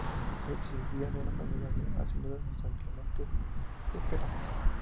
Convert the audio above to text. Procedía de una familia de hacendados de San Clemente de Peralta.